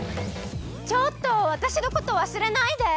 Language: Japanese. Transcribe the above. ちょっとわたしのことわすれないで！